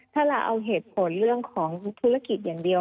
ถ้าเราเอาเหตุผลเรื่องของธุรกิจอย่างเดียว